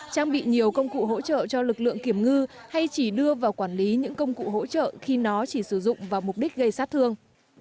trang bị nhiều công cụ hỗ trợ cho lực lượng kiểm ngư hay chỉ đưa vào quản lý những công cụ hỗ trợ khi nó chỉ sử dụng vào mục đích gây sát thương